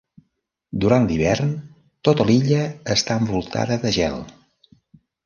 Durant l'hivern tota l'illa està envoltada de gel.